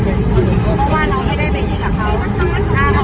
เพราะว่าเราไม่ได้ไปดีกว่าเขา